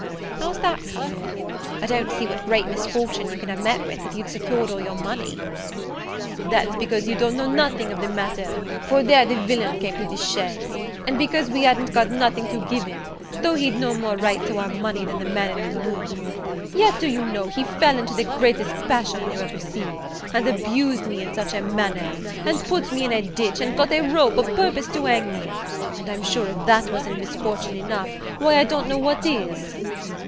"How's that, cousin? I don't see what great misfortune you can have met with, if you'd secured all your money." "That's because you don't know nothing of the matter: for there the villain came to the chaise; and, because we hadn't got nothing to give him, though he'd no more right to our money than the man in the moon, yet, do you know, he fell into the greatest passion ever you see, and abused me in such a manner, and put me in a ditch, and got a rope o'purpose to hang me; and I'm sure, if that wasn't misfortune enough, why I don't know what is."